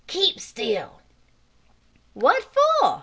Keep still!" "What for?"